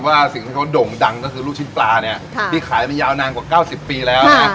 ว่าสิ่งที่เขาโด่งดังก็คือลูกชิ้นปลาเนี่ยที่ขายมายาวนานกว่า๙๐ปีแล้วนะ